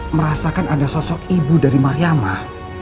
merasakan ada sosok ibu dari mariamah